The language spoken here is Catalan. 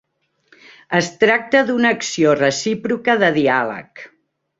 Es tracta d'una acció recíproca de diàleg.